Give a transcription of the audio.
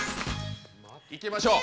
いきましょう